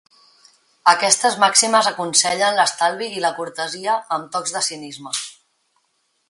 Aquestes màximes aconsellen l'estalvi i la cortesia, amb tocs de cinisme.